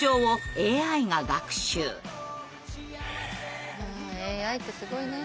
ＡＩってすごいね。